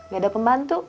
gak ada pembantu